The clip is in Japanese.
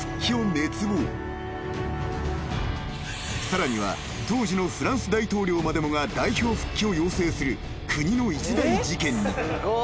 ［さらには当時のフランス大統領までもが代表復帰を要請する国の一大事件に］